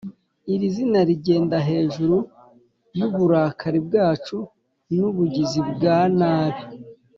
"iri zina rigenda hejuru y'uburakari bwacu n'ubugizi bwa nabi,